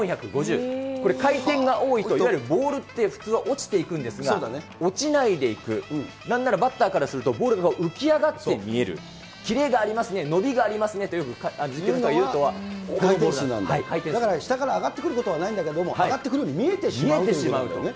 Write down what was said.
これ、回転が多いと、いわゆるボールって、普通は落ちていくんですが、落ちないでいく、なんならバッターからすると、ボールが浮き上がって見える、キレがありますね、伸びがありますねと、だから、下から上がってくることはないんだけども、上がってくるように見えてしまうというね。